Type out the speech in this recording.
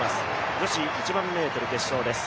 女子１００００ｍ決勝です。